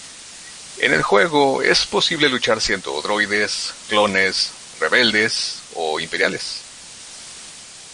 En el juego es posible luchar siendo Droides, Clones, Rebeldes o Imperiales.